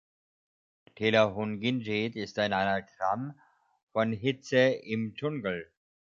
„Thela Hun Ginjeet“ ist ein Anagramm von „Hitze im Dschungel“.